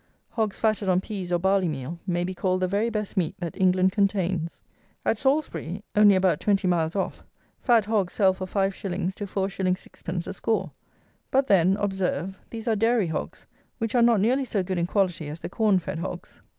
Hogs fatted on peas or barley meal may be called the very best meat that England contains. At Salisbury (only about 20 miles off) fat hogs sell for 5_s._ to 4_s._ 6_d._ a score. But, then, observe, these are dairy hogs, which are not nearly so good in quality as the corn fed hogs.